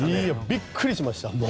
びっくりしました。